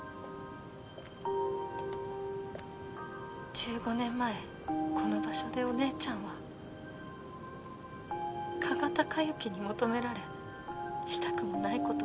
１５年前この場所でお姉ちゃんは加賀孝之に求められしたくもない事をさせられていた。